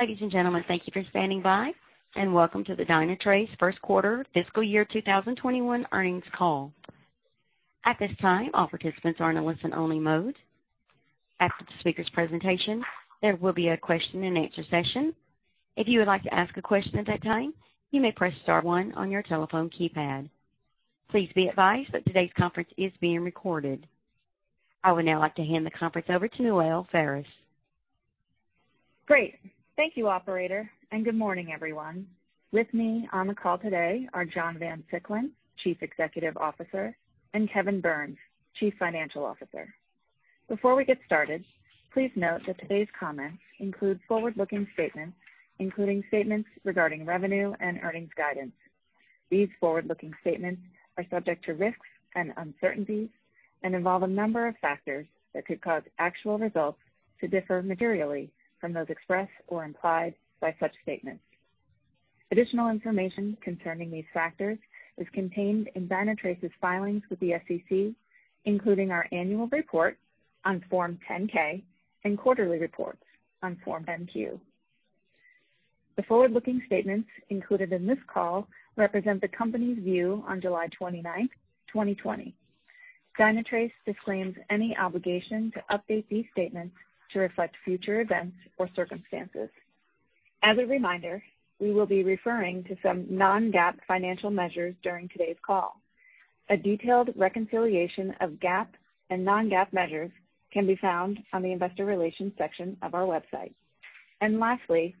Ladies and gentlemen, thank you for standing by, and welcome to the Dynatrace first quarter fiscal year 2021 earnings call. At this time, all participants are in a listen-only mode. After the speaker's presentation, there will be a question-and-answer session. If you would like to ask a question at that time, you may press star one on your telephone keypad. Please be advised that today's conference is being recorded. I would now like to hand the conference over to Noelle Faris. Great. Thank you, operator. Good morning, everyone. With me on the call today are John Van Siclen, Chief Executive Officer, and Kevin Burns, Chief Financial Officer. Before we get started, please note that today's comments include forward-looking statements, including statements regarding revenue and earnings guidance. These forward-looking statements are subject to risks and uncertainties and involve a number of factors that could cause actual results to differ materially from those expressed or implied by such statements. Additional information concerning these factors is contained in Dynatrace's filings with the SEC, including our annual report on Form 10-K and quarterly reports on Form 10-Q. The forward-looking statements included in this call represent the company's view on July 29th, 2020. Dynatrace disclaims any obligation to update these statements to reflect future events or circumstances. As a reminder, we will be referring to some non-GAAP financial measures during today's call. A detailed reconciliation of GAAP and non-GAAP measures can be found on the Investor Relations section of our website. Lastly,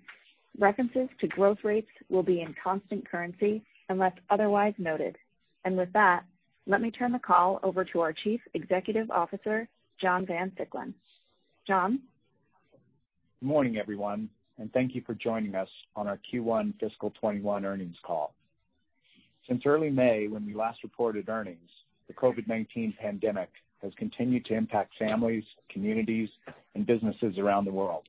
references to growth rates will be in constant currency unless otherwise noted. With that, let me turn the call over to our Chief Executive Officer, John Van Siclen. John? Good morning, everyone, and thank you for joining us on our Q1 fiscal 2021 earnings call. Since early May, when we last reported earnings, the COVID-19 pandemic has continued to impact families, communities, and businesses around the world.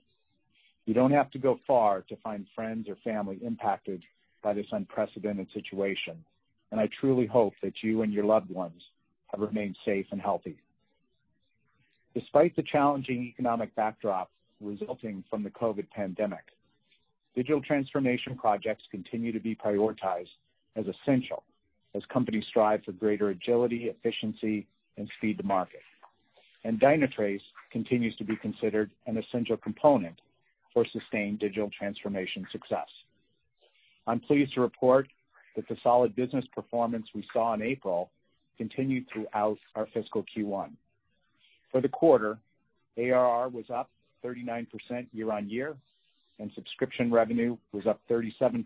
You don't have to go far to find friends or family impacted by this unprecedented situation, and I truly hope that you and your loved ones have remained safe and healthy. Despite the challenging economic backdrop resulting from the COVID pandemic, digital transformation projects continue to be prioritized as essential as companies strive for greater agility, efficiency, and speed to market. Dynatrace continues to be considered an essential component for sustained digital transformation success. I'm pleased to report that the solid business performance we saw in April continued throughout our fiscal Q1. For the quarter, ARR was up 39% year-on-year, and subscription revenue was up 37%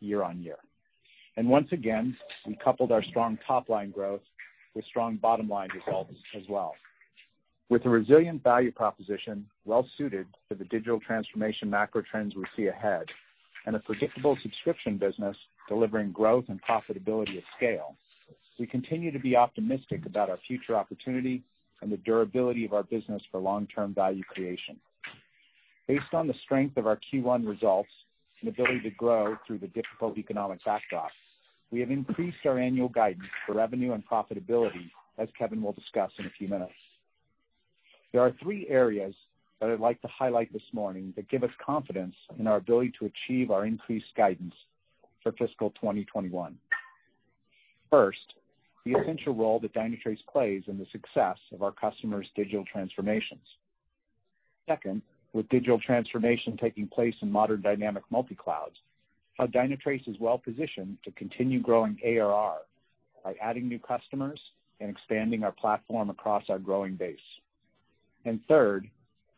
year-on-year. Once again, we coupled our strong top-line growth with strong bottom-line results as well. With a resilient value proposition well-suited to the digital transformation macro trends we see ahead and a predictable subscription business delivering growth and profitability at scale, we continue to be optimistic about our future opportunity and the durability of our business for long-term value creation. Based on the strength of our Q1 results and ability to grow through the difficult economic backdrop, we have increased our annual guidance for revenue and profitability, as Kevin will discuss in a few minutes. There are three areas that I'd like to highlight this morning that give us confidence in our ability to achieve our increased guidance for fiscal 2021. First, the essential role that Dynatrace plays in the success of our customers' digital transformations. With digital transformation taking place in modern dynamic multi-clouds, how Dynatrace is well-positioned to continue growing ARR by adding new customers and expanding our platform across our growing base. Third,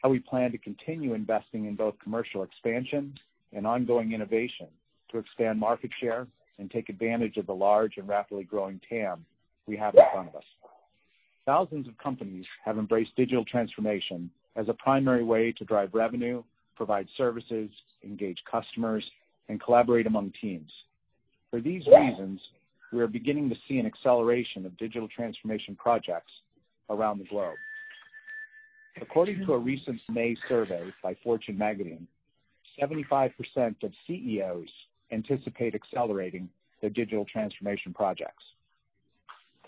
how we plan to continue investing in both commercial expansion and ongoing innovation to expand market share and take advantage of the large and rapidly growing TAM we have in front of us. Thousands of companies have embraced digital transformation as a primary way to drive revenue, provide services, engage customers, and collaborate among teams. For these reasons, we are beginning to see an acceleration of digital transformation projects around the globe. According to a recent May survey by Fortune Magazine, 75% of CEOs anticipate accelerating their digital transformation projects.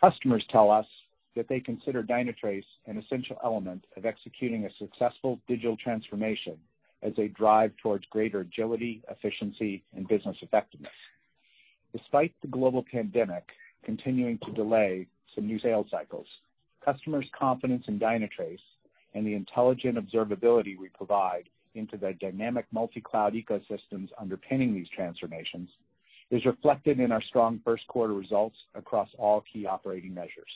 Customers tell us that they consider Dynatrace an essential element of executing a successful digital transformation as they drive towards greater agility, efficiency, and business effectiveness. Despite the global pandemic continuing to delay some new sales cycles, customers' confidence in Dynatrace and the intelligent observability we provide into the dynamic multi-cloud ecosystems underpinning these transformations is reflected in our strong first quarter results across all key operating measures.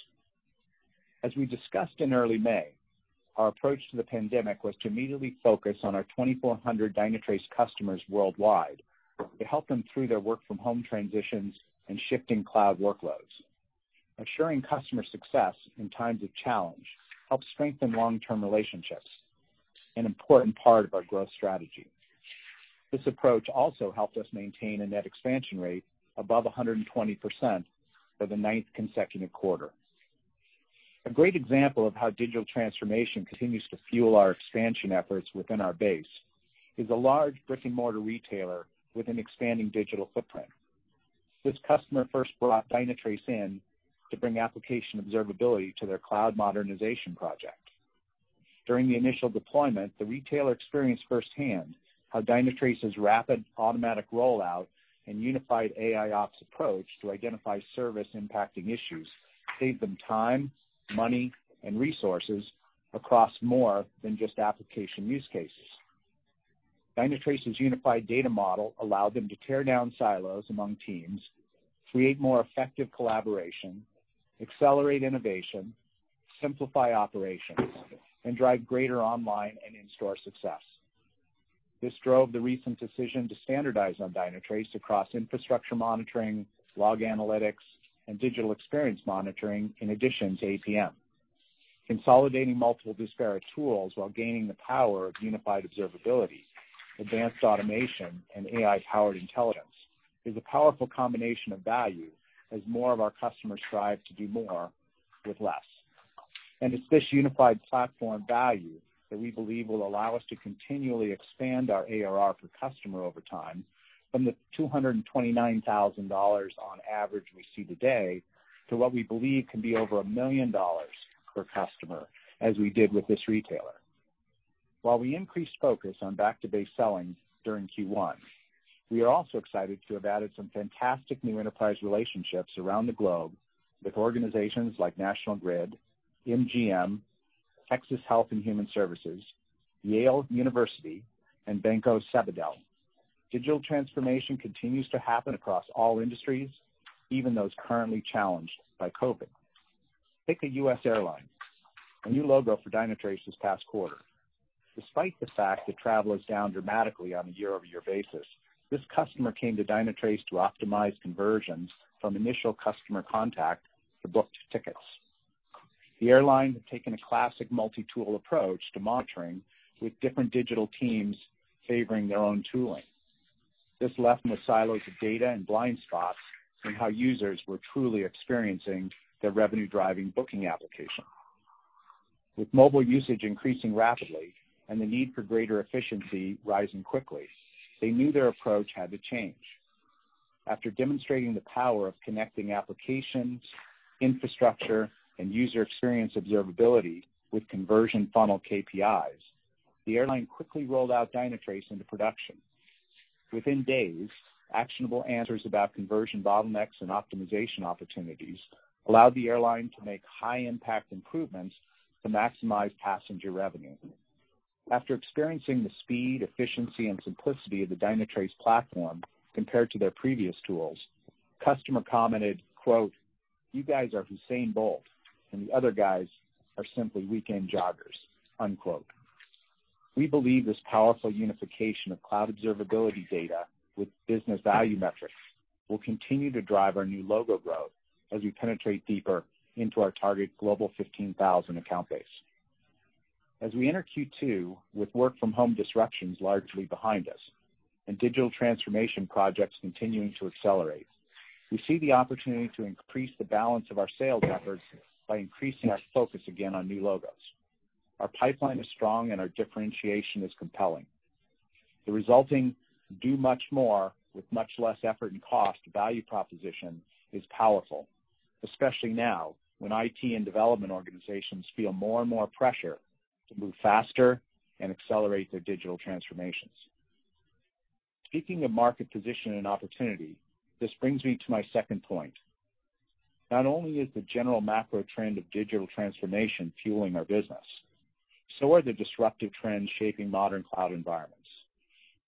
As we discussed in early May, our approach to the pandemic was to immediately focus on our 2,400 Dynatrace customers worldwide to help them through their work-from-home transitions and shifting cloud workloads. Assuring customer success in times of challenge helps strengthen long-term relationships, an important part of our growth strategy. This approach also helped us maintain a net expansion rate above 120% for the ninth consecutive quarter. A great example of how digital transformation continues to fuel our expansion efforts within our base is a large brick-and-mortar retailer with an expanding digital footprint. This customer first brought Dynatrace in to bring application observability to their cloud modernization project. During the initial deployment, the retailer experienced firsthand how Dynatrace's rapid automatic rollout and unified AIOps approach to identify service-impacting issues saved them time, money, and resources across more than just application use cases. Dynatrace's unified data model allowed them to tear down silos among teams, create more effective collaboration, accelerate innovation, simplify operations, and drive greater online and in-store success. This drove the recent decision to standardize on Dynatrace across infrastructure monitoring, log analytics, and digital experience monitoring, in addition to APM. Consolidating multiple disparate tools while gaining the power of unified observability, advanced automation, and AI-powered intelligence is a powerful combination of value as more of our customers strive to do more with less. It's this unified platform value that we believe will allow us to continually expand our ARR per customer over time from the $229,000 on average we see today, to what we believe can be over $1 million per customer, as we did with this retailer. While we increased focus on back-to-base selling during Q1, we are also excited to have added some fantastic new enterprise relationships around the globe with organizations like National Grid, MGM, Texas Health and Human Services, Yale University, and Banco Sabadell. Digital transformation continues to happen across all industries, even those currently challenged by COVID-19. Take a U.S. airline, a new logo for Dynatrace this past quarter. Despite the fact that travel is down dramatically on a year-over-year basis, this customer came to Dynatrace to optimize conversions from initial customer contact to booked tickets. The airline had taken a classic multi-tool approach to monitoring, with different digital teams favoring their own tooling. This left them with silos of data and blind spots in how users were truly experiencing their revenue-driving booking application. With mobile usage increasing rapidly and the need for greater efficiency rising quickly, they knew their approach had to change. After demonstrating the power of connecting applications, infrastructure, and user experience observability with conversion funnel KPIs, the airline quickly rolled out Dynatrace into production. Within days, actionable answers about conversion bottlenecks and optimization opportunities allowed the airline to make high-impact improvements to maximize passenger revenue. After experiencing the speed, efficiency, and simplicity of the Dynatrace platform compared to their previous tools, customer commented, quote, "You guys are Usain Bolt, and the other guys are simply weekend joggers." Unquote. We believe this powerful unification of cloud observability data with business value metrics will continue to drive our new logo growth as we penetrate deeper into our target global 15,000 account base. As we enter Q2 with work-from-home disruptions largely behind us and digital transformation projects continuing to accelerate, we see the opportunity to increase the balance of our sales efforts by increasing our focus again on new logos. Our pipeline is strong, and our differentiation is compelling. The resulting do much more with much less effort and cost value proposition is powerful, especially now, when IT and development organizations feel more and more pressure to move faster and accelerate their digital transformations. Speaking of market position and opportunity, this brings me to my second point. Not only is the general macro trend of digital transformation fueling our business, so are the disruptive trends shaping modern cloud environments.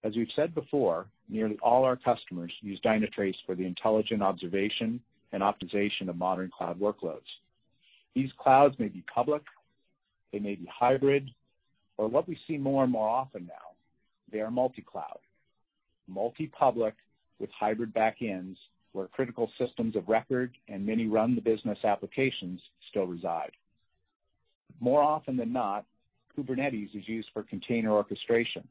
As we've said before, nearly all our customers use Dynatrace for the intelligent observation and optimization of modern cloud workloads. These clouds may be public, they may be hybrid, or what we see more and more often now, they are multi-cloud. Multi-public with hybrid backends, where critical systems of record and many run-the-business applications still reside. More often than not, Kubernetes is used for container orchestration,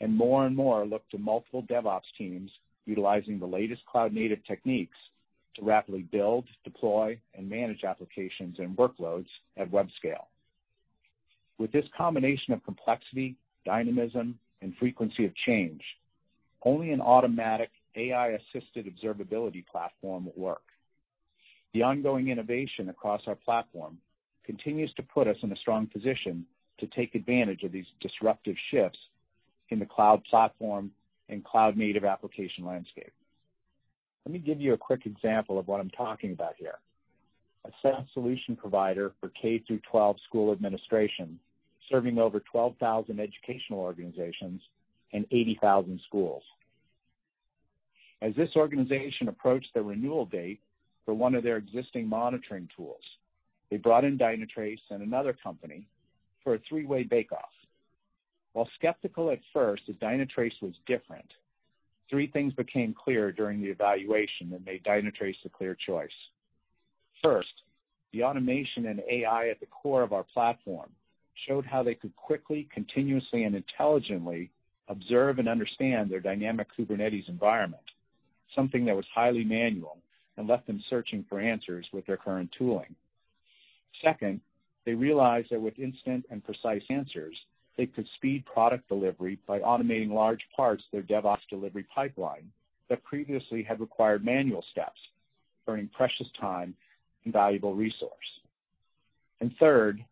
and more and more look to multiple DevOps teams utilizing the latest cloud-native techniques to rapidly build, deploy, and manage applications and workloads at web scale. With this combination of complexity, dynamism, and frequency of change, only an automatic AI-assisted observability platform will work. The ongoing innovation across our platform continues to put us in a strong position to take advantage of these disruptive shifts in the cloud platform and cloud-native application landscape. Let me give you a quick example of what I'm talking about here. A SaaS solution provider for K-12 school administration, serving over 12,000 educational organizations and 80,000 schools. As this organization approached the renewal date for one of their existing monitoring tools, they brought in Dynatrace and another company for a three-way bake-off. While skeptical at first that Dynatrace was different, three things became clear during the evaluation that made Dynatrace the clear choice. First, the automation and AI at the core of our platform showed how they could quickly, continuously, and intelligently observe and understand their dynamic Kubernetes environment, something that was highly manual and left them searching for answers with their current tooling. Second, they realized that with instant and precise answers, they could speed product delivery by automating large parts of their DevOps delivery pipeline that previously had required manual steps, earning precious time and valuable resource. Third,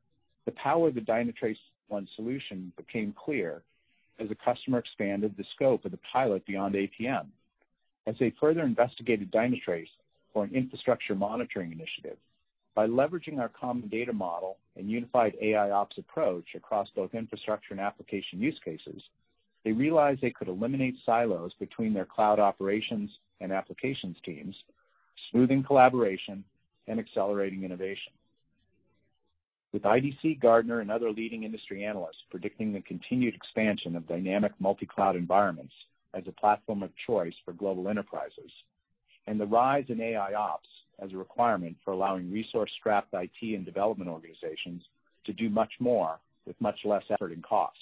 the power of the Dynatrace One Solution became clear as the customer expanded the scope of the pilot beyond APM. As they further investigated Dynatrace for an infrastructure monitoring initiative, by leveraging our common data model and unified AIOps approach across both infrastructure and application use cases, they realized they could eliminate silos between their cloud operations and applications teams, smoothing collaboration and accelerating innovation. With IDC, Gartner, and other leading industry analysts predicting the continued expansion of dynamic multi-cloud environments as a platform of choice for global enterprises, and the rise in AIOps as a requirement for allowing resource-strapped IT and development organizations to do much more with much less effort and cost,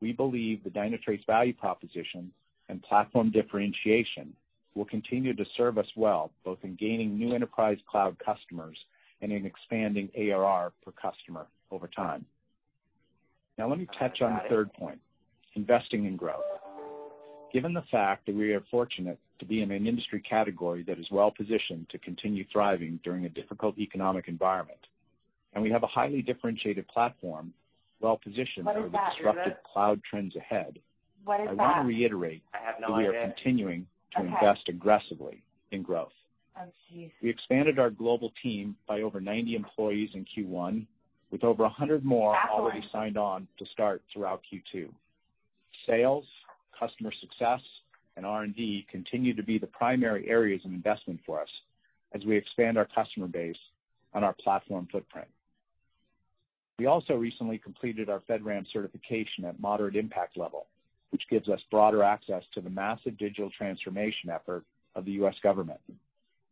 we believe the Dynatrace value proposition and platform differentiation will continue to serve us well, both in gaining new enterprise cloud customers and in expanding ARR per customer over time. Now, let me touch on the third point, investing in growth. Given the fact that we are fortunate to be in an industry category that is well-positioned to continue thriving during a difficult economic environment, and we have a highly differentiated platform well-positioned under the disruptive cloud trends ahead, I want to reiterate that we are continuing to invest aggressively in growth. We expanded our global team by over 90 employees in Q1, with over 100 more already signed on to start throughout Q2. Sales, customer success, and R&D continue to be the primary areas of investment for us as we expand our customer base and our platform footprint. We also recently completed our FedRAMP certification at moderate impact level, which gives us broader access to the massive digital transformation effort of the U.S. government.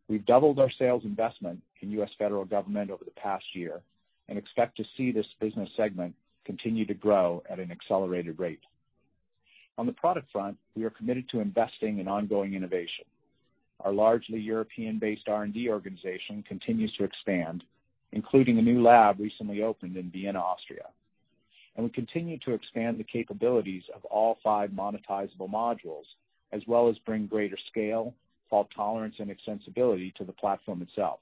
We've doubled our sales investment in U.S. federal government over the past year and expect to see this business segment continue to grow at an accelerated rate. On the product front, we are committed to investing in ongoing innovation. Our largely European-based R&D organization continues to expand, including a new lab recently opened in Vienna, Austria. We continue to expand the capabilities of all five monetizable modules, as well as bring greater scale, fault tolerance, and extensibility to the platform itself.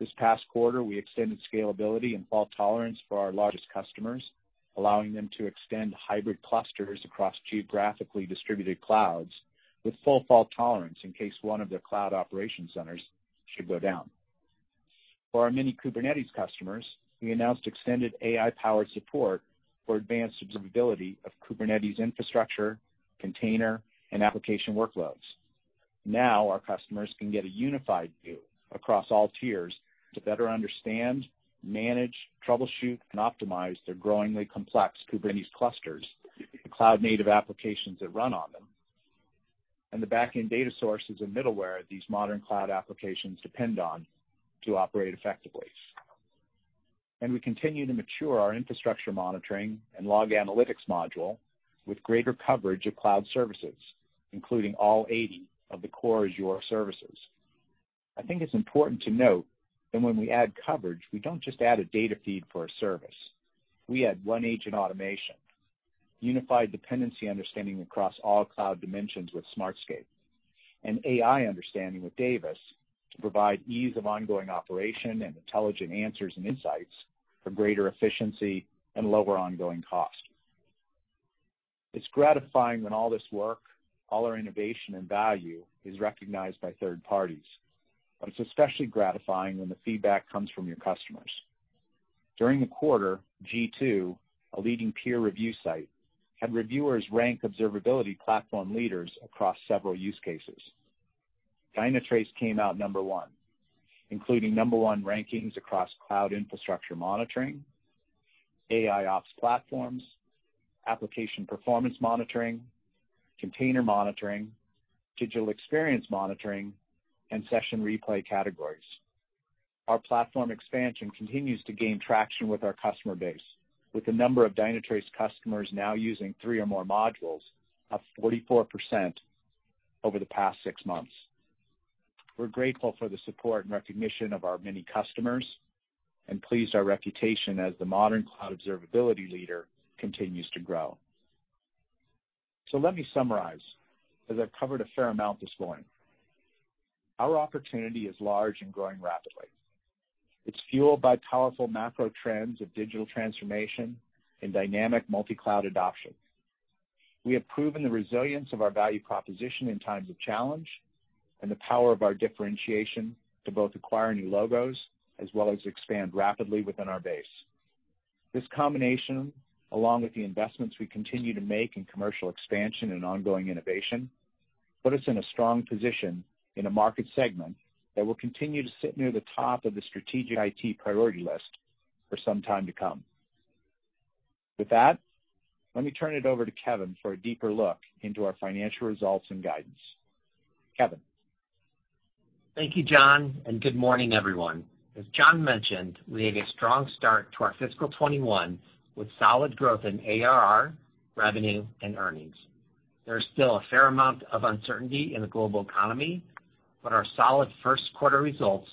This past quarter, we extended scalability and fault tolerance for our largest customers, allowing them to extend hybrid clusters across geographically distributed clouds with full fault tolerance in case one of their cloud operation centers should go down. For our many Kubernetes customers, we announced extended AI-powered support for advanced observability of Kubernetes infrastructure, container, and application workloads. Our customers can get a unified view across all tiers to better understand, manage, troubleshoot, and optimize their growingly complex Kubernetes clusters, the cloud-native applications that run on them, and the backend data sources and middleware these modern cloud applications depend on to operate effectively. We continue to mature our infrastructure monitoring and log analytics module with greater coverage of cloud services, including all 80 of the core Azure services. I think it's important to note that when we add coverage, we don't just add a data feed for a service. We add OneAgent automation, unified dependency understanding across all cloud dimensions with Smartscape, and AI understanding with Davis to provide ease of ongoing operation and intelligent answers and insights for greater efficiency and lower ongoing cost. It's gratifying when all this work, all our innovation and value, is recognized by third parties. It's especially gratifying when the feedback comes from your customers. During the quarter, G2, a leading peer review site, had reviewers rank observability platform leaders across several use cases. Dynatrace came out number one, including number one rankings across cloud infrastructure monitoring, AIOps platforms, application performance monitoring, container monitoring, digital experience monitoring, and session replay categories. Our platform expansion continues to gain traction with our customer base, with the number of Dynatrace customers now using three or more modules, up 44% over the past six months. We're grateful for the support and recognition of our many customers and pleased our reputation as the modern cloud observability leader continues to grow. Let me summarize, as I've covered a fair amount this morning. Our opportunity is large and growing rapidly. It's fueled by powerful macro trends of digital transformation and dynamic multi-cloud adoption. We have proven the resilience of our value proposition in times of challenge and the power of our differentiation to both acquire new logos as well as expand rapidly within our base. This combination, along with the investments we continue to make in commercial expansion and ongoing innovation, put us in a strong position in a market segment that will continue to sit near the top of the strategic IT priority list for some time to come. With that, let me turn it over to Kevin for a deeper look into our financial results and guidance. Kevin. Thank you, John, and good morning, everyone. As John mentioned, we had a strong start to our fiscal 2021 with solid growth in ARR, revenue, and earnings. There's still a fair amount of uncertainty in the global economy, but our solid first quarter results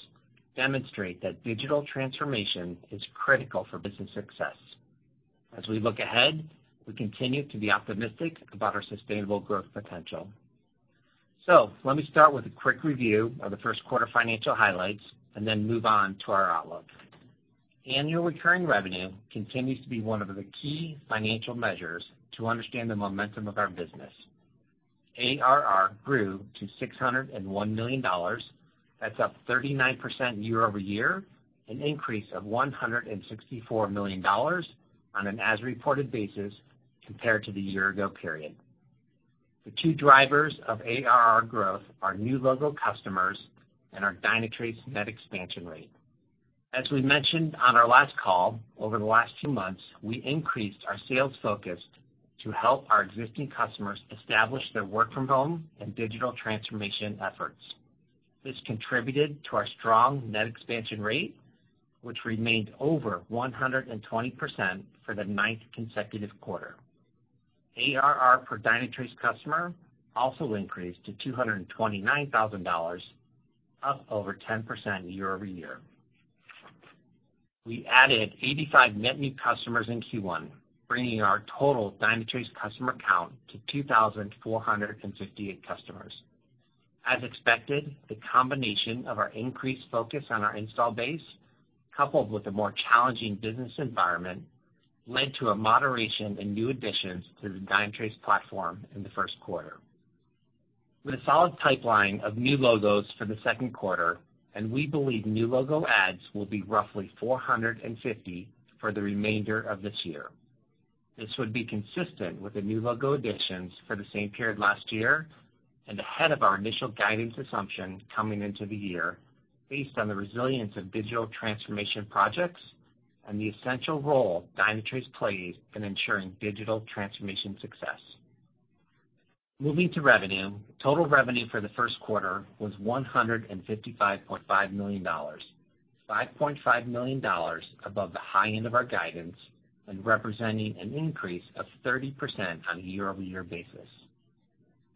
demonstrate that digital transformation is critical for business success. As we look ahead, we continue to be optimistic about our sustainable growth potential. Let me start with a quick review of the first quarter financial highlights and then move on to our outlook. Annual recurring revenue continues to be one of the key financial measures to understand the momentum of our business. ARR grew to $601 million. That's up 39% year-over-year, an increase of $164 million on an as-reported basis compared to the year ago period. The two drivers of ARR growth are new logo customers and our Dynatrace net expansion rate. As we mentioned on our last call, over the last few months, we increased our sales focus to help our existing customers establish their work-from-home and digital transformation efforts. This contributed to our strong net expansion rate, which remained over 120% for the ninth consecutive quarter. ARR per Dynatrace customer also increased to $229,000, up over 10% year-over-year. We added 85 net new customers in Q1, bringing our total Dynatrace customer count to 2,458 customers. As expected, the combination of our increased focus on our install base, coupled with a more challenging business environment, led to a moderation in new additions to the Dynatrace platform in the first quarter. With a solid pipeline of new logos for the second quarter, and we believe new logo adds will be roughly 450 for the remainder of this year. This would be consistent with the new logo additions for the same period last year, and ahead of our initial guidance assumption coming into the year, based on the resilience of digital transformation projects and the essential role Dynatrace plays in ensuring digital transformation success. Moving to revenue, total revenue for the first quarter was $155.5 million, $5.5 million above the high end of our guidance and representing an increase of 30% on a year-over-year basis.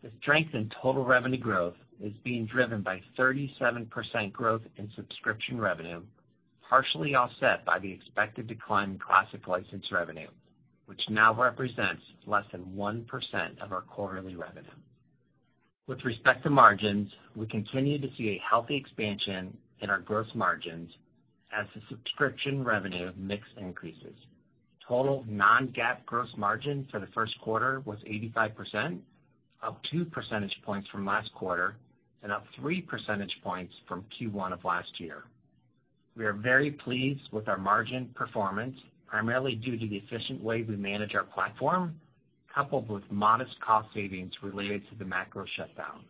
The strength in total revenue growth is being driven by 37% growth in subscription revenue, partially offset by the expected decline in classic licensed revenue, which now represents less than 1% of our quarterly revenue. With respect to margins, we continue to see a healthy expansion in our gross margins as the subscription revenue mix increases. Total non-GAAP gross margin for the first quarter was 85%, up 2 percentage points from last quarter and up 3 percentage points from Q1 of last year. We are very pleased with our margin performance, primarily due to the efficient way we manage our platform, coupled with modest cost savings related to the macro shutdown.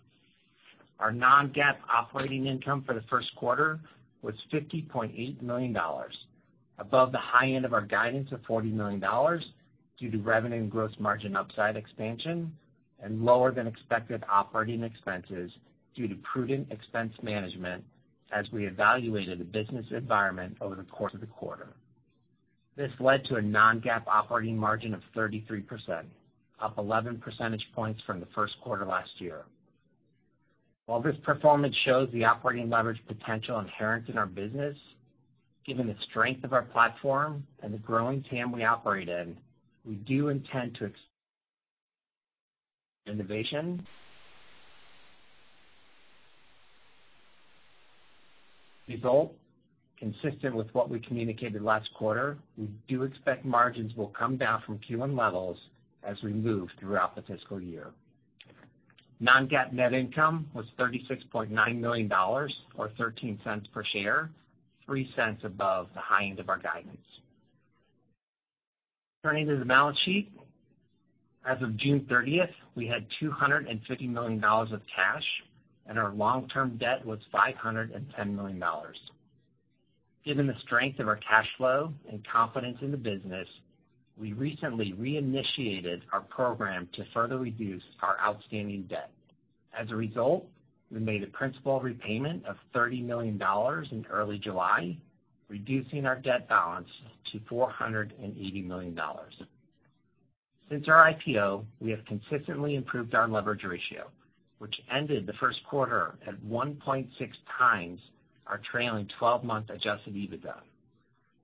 Our non-GAAP operating income for the first quarter was $50.8 million, above the high end of our guidance of $40 million due to revenue and gross margin upside expansion and lower than expected operating expenses due to prudent expense management as we evaluated the business environment over the course of the quarter. This led to a non-GAAP operating margin of 33%, up 11 percentage points from the first quarter last year. While this performance shows the operating leverage potential inherent in our business, given the strength of our platform and the growing TAM we operate in, we do intend to innovation. Result consistent with what we communicated last quarter. We do expect margins will come down from Q1 levels as we move throughout the fiscal year. Non-GAAP net income was $36.9 million, or $0.13 per share, $0.03 above the high end of our guidance. Turning to the balance sheet, as of June 30th, we had $250 million of cash, and our long-term debt was $510 million. Given the strength of our cash flow and confidence in the business, we recently reinitiated our program to further reduce our outstanding debt. As a result, we made a principal repayment of $30 million in early July, reducing our debt balance to $480 million. Since our IPO, we have consistently improved our leverage ratio, which ended the first quarter at 1.6x our trailing 12-month adjusted EBITDA.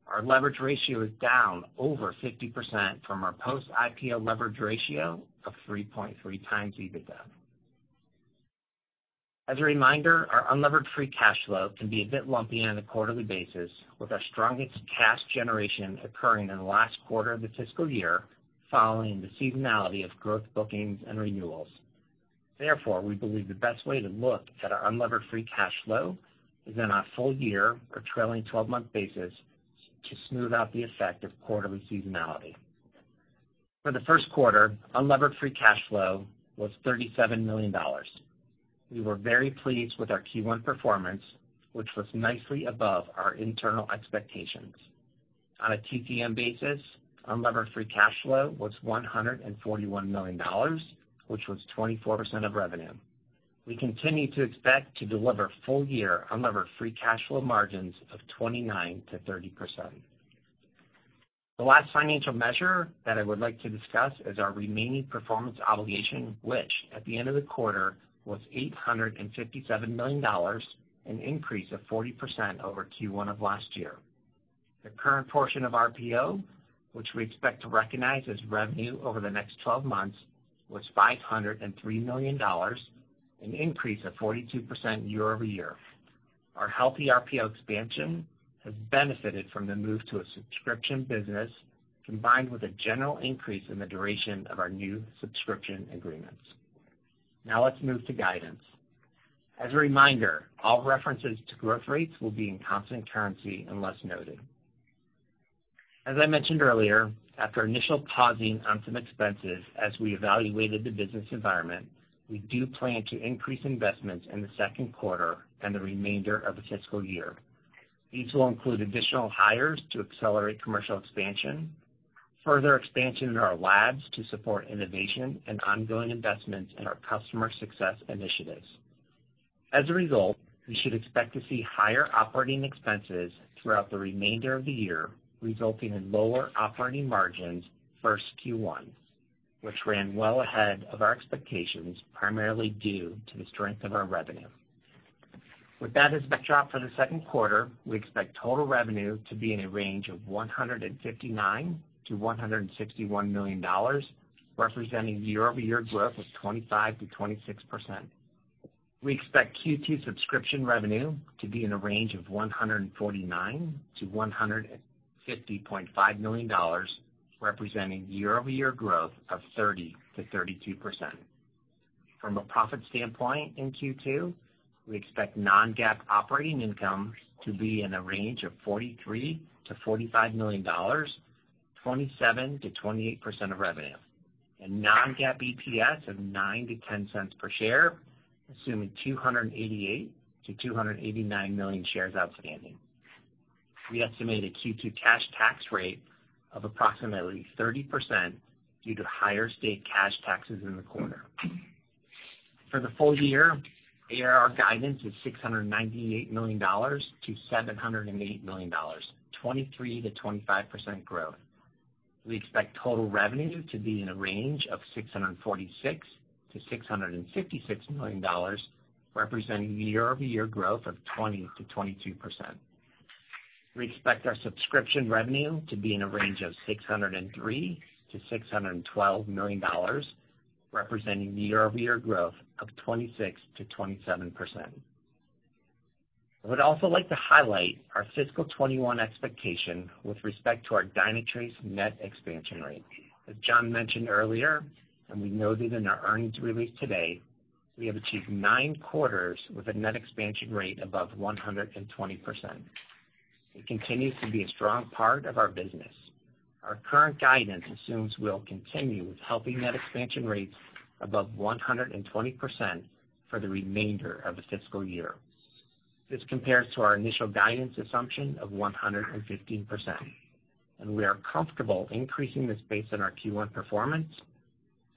Our leverage ratio is down over 50% from our post-IPO leverage ratio of 3.3x EBITDA. As a reminder, our unlevered free cash flow can be a bit lumpy on a quarterly basis, with our strongest cash generation occurring in the last quarter of the fiscal year, following the seasonality of growth bookings and renewals. Therefore, we believe the best way to look at our unlevered free cash flow is in our full year or trailing 12-month basis to smooth out the effect of quarterly seasonality. For the first quarter, unlevered free cash flow was $37 million. We were very pleased with our Q1 performance, which was nicely above our internal expectations. On a TTM basis, unlevered free cash flow was $141 million, which was 24% of revenue. We continue to expect to deliver full year unlevered free cash flow margins of 29%-30%. The last financial measure that I would like to discuss is our remaining performance obligation, which at the end of the quarter was $857 million, an increase of 40% over Q1 of last year. The current portion of RPO, which we expect to recognize as revenue over the next 12 months, was $503 million, an increase of 42% year-over-year. Our healthy RPO expansion has benefited from the move to a subscription business, combined with a general increase in the duration of our new subscription agreements. Now let's move to guidance. As a reminder, all references to growth rates will be in constant currency unless noted. As I mentioned earlier, after initial pausing on some expenses as we evaluated the business environment, we do plan to increase investments in the second quarter and the remainder of the fiscal year. These will include additional hires to accelerate commercial expansion, further expansion in our labs to support innovation, and ongoing investments in our customer success initiatives. As a result, we should expect to see higher operating expenses throughout the remainder of the year, resulting in lower operating margins versus Q1, which ran well ahead of our expectations, primarily due to the strength of our revenue. With that as a backdrop for the second quarter, we expect total revenue to be in a range of $159 million-$161 million, representing year-over-year growth of 25%-26%. We expect Q2 subscription revenue to be in a range of $149 million-$150.5 million, representing year-over-year growth of 30%-32%. From a profit standpoint in Q2, we expect non-GAAP operating income to be in a range of $43 million-$45 million, 27%-28% of revenue. Non-GAAP EPS of $0.09-$0.10 per share, assuming 288 million-289 million shares outstanding. We estimate a Q2 cash tax rate of approximately 30% due to higher state cash taxes in the quarter. For the full year, ARR guidance is $698 million-$708 million, 23%-25% growth. We expect total revenue to be in a range of $646 million-$656 million, representing year-over-year growth of 20%-22%. We expect our subscription revenue to be in a range of $603 million-$612 million, representing year-over-year growth of 26%-27%. I would also like to highlight our fiscal 2021 expectation with respect to our Dynatrace net expansion rate. As John mentioned earlier, and we noted in our earnings release today, we have achieved nine quarters with a net expansion rate above 120%. It continues to be a strong part of our business. Our current guidance assumes we'll continue with healthy net expansion rates above 120% for the remainder of the fiscal year. This compares to our initial guidance assumption of 115%, and we are comfortable increasing this based on our Q1 performance,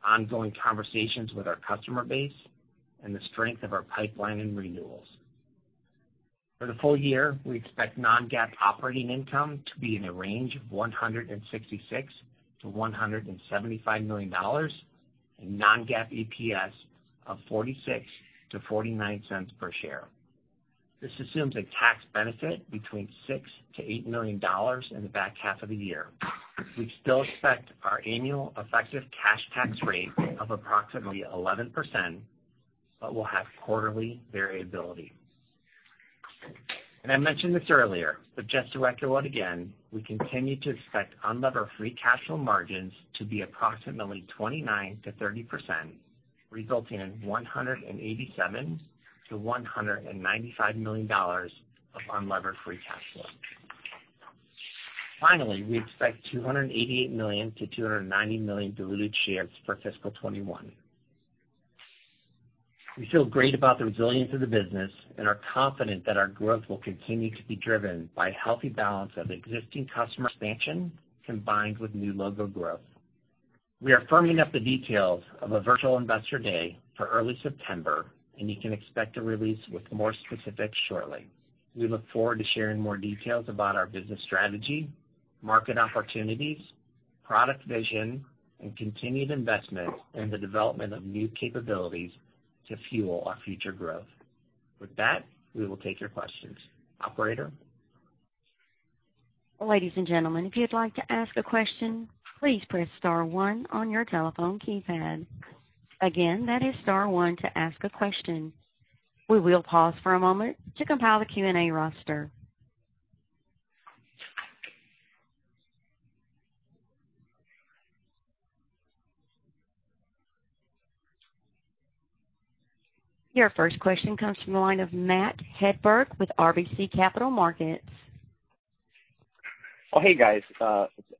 ongoing conversations with our customer base, and the strength of our pipeline and renewals. For the full year, we expect non-GAAP operating income to be in a range of $166 million-$175 million, and non-GAAP EPS of $0.46-$0.49 per share. This assumes a tax benefit between $6 million-$8 million in the back half of the year. We still expect our annual effective cash tax rate of approximately 11%, but we'll have quarterly variability. I mentioned this earlier, but just to echo it again, we continue to expect unlevered free cash flow margins to be approximately 29%-30%, resulting in $187 million-$195 million of unlevered free cash flow. Finally, we expect 288 million-290 million diluted shares for fiscal 2021. We feel great about the resilience of the business and are confident that our growth will continue to be driven by a healthy balance of existing customer expansion, combined with new logo growth. We are firming up the details of a virtual Investor Day for early September, and you can expect a release with more specifics shortly. We look forward to sharing more details about our business strategy, market opportunities, product vision, and continued investment in the development of new capabilities to fuel our future growth. With that, we will take your questions. Operator? Ladies and gentlemen, if you'd like to ask a question, please press star one on your telephone keypad. Again, that is star one to ask a question. We will pause for a moment to compile the Q&A roster. Your first question comes from the line of Matt Hedberg with RBC Capital Markets. Oh, hey, guys.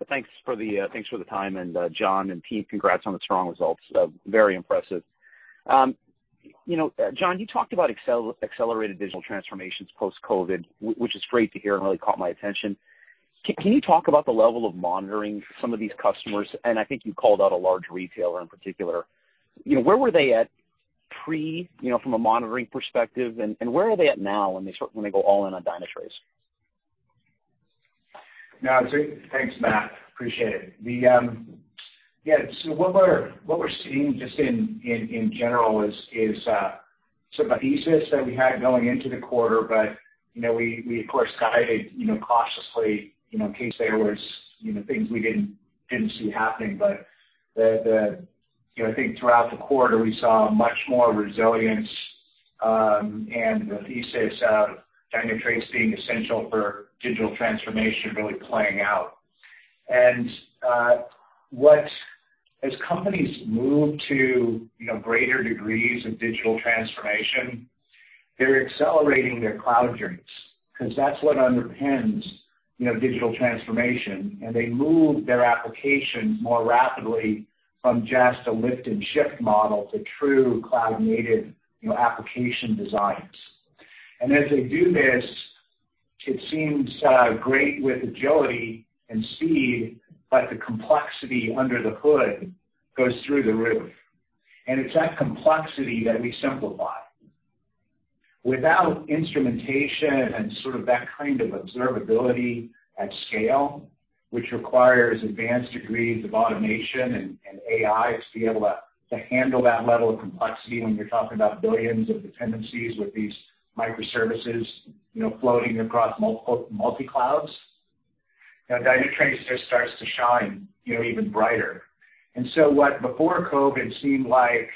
Thanks for the time. John and team, congrats on the strong results. Very impressive. John, you talked about accelerated digital transformations post-COVID, which is great to hear and really caught my attention. Can you talk about the level of monitoring for some of these customers? I think you called out a large retailer in particular. Where were they at pre from a monitoring perspective, and where are they at now when they go all-in on Dynatrace? No, thanks, Matt. Appreciate it. What we're seeing just in general is sort of a thesis that we had going into the quarter, but we of course guided cautiously, in case there was things we didn't see happening. I think throughout the quarter, we saw much more resilience, and the thesis of Dynatrace being essential for digital transformation really playing out. As companies move to greater degrees of digital transformation, they're accelerating their cloud journeys, because that's what underpins digital transformation. They move their application more rapidly from just a lift and shift model to true cloud-native application designs. As they do this, it seems great with agility and speed, but the complexity under the hood goes through the roof. It's that complexity that we simplify. Without instrumentation and sort of that kind of observability at scale, which requires advanced degrees of automation and AI to be able to handle that level of complexity, when you're talking about billions of dependencies with these microservices floating across multi-clouds, Dynatrace just starts to shine even brighter. What before COVID seemed like,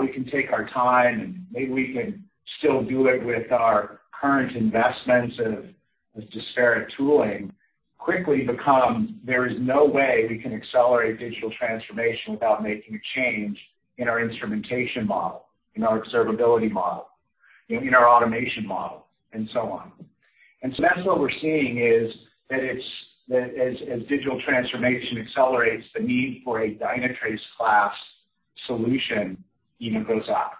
"We can take our time, and maybe we can still do it with our current investments of disparate tooling," quickly become, "There is no way we can accelerate digital transformation without making a change in our instrumentation model, in our observability model, in our automation model, and so on." That's what we're seeing is that as digital transformation accelerates, the need for a Dynatrace class solution even goes up.